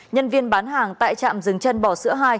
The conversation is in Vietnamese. nhân viên bán hàng tại trạm rừng chân bò sữa hai